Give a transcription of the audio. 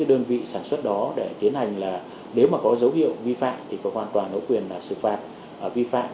đơn vị sản xuất đó để tiến hành là nếu mà có dấu hiệu vi phạm thì có hoàn toàn ổ quyền là xử phạt vi phạm